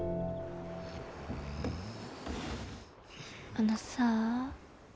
あのさあ。